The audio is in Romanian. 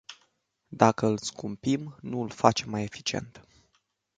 Dacă îl scumpim, nu îl facem mai eficient.